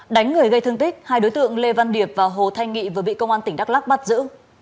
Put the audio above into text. đánh người gây thương tích hai đối tượng lê văn điệp và hồ thanh nghị vừa bị công an tỉnh đắk lắc bắt giữ